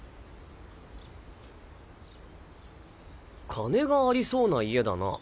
金がありそうな家だな。